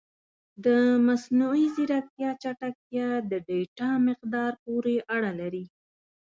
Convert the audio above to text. د مصنوعي ځیرکتیا چټکتیا د ډیټا مقدار پورې اړه لري.